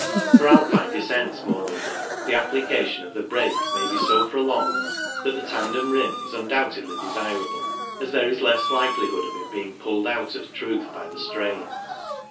For Alpine descents, moreover, the application of the brake maybe so prolonged that the tandem rim is undoubtedly desirable, as there is less likelihood of its being pulled out of truth by the strain.